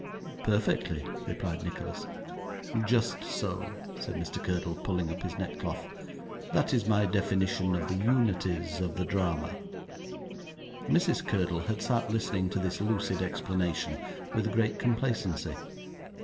'Perfectly,' replied Nicholas. 'Just so,' said Mr. Curdle, pulling up his neckcloth. 'That is my definition of the unities of the drama.' Mrs. Curdle had sat listening to this lucid explanation with great complacency.